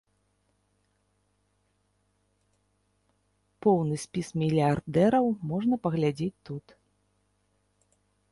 Поўны спіс мільярдэраў можна паглядзець тут.